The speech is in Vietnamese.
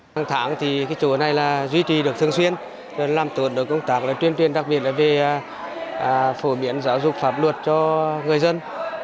hàng tháng thì cái chỗ này là duy trì được thường xuyên làm tốt đối công tác là tuyên truyền đặc biệt là về phổ biến giáo dục pháp luật cho người dân